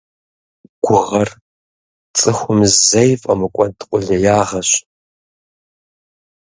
Гугъэр цӀыхум зэи фӀэмыкӀуэд къулеягъэщ.